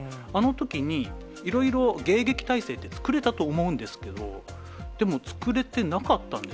あのときに、いろいろ迎撃態勢って作れたと思うんですけど、でも作れてなかっ